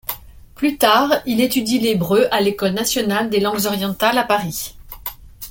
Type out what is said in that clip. Plus tard il étudie l'hébreu à l'École nationale des langues orientales à Paris.